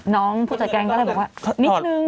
น้องผู้จัดแกรงก็เลยบอกว่านิดหนึ่ง